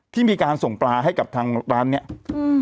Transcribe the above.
ที่มีการส่งปลาให้กับทางร้านเนี้ยอืม